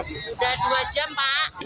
sudah dua jam pak